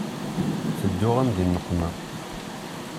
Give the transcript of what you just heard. Tedduɣ-am di nneqma.